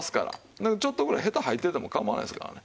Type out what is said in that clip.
だからちょっとぐらいヘタ入ってても構わないですからね。